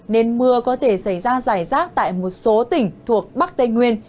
nên mưa có thể xảy ra giải rác tại một số tỉnh thuộc bắc tây nguyên